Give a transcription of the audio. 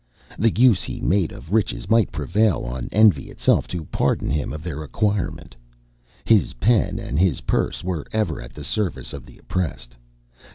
The use he made of riches might prevail on envy itself to pardon him their acquirement. His pen and his purse were ever at the service of the oppressed.